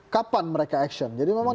kapan mereka action jadi memang